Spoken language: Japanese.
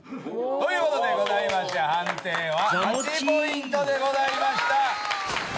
ということでございまして判定は８ｐｔでございました。